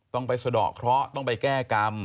ต้องไปสะดอกเคราะห์ต้องไปแก้กรรม